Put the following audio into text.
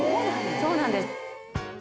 そうなんです。